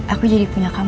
aku jadi punya kasih lagi